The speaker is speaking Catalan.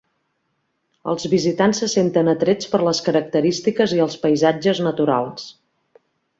Els visitants se senten atrets per les característiques i els paisatges naturals.